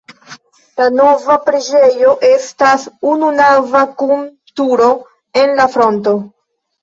La nova preĝejo estas ununava kun turo en la fronto.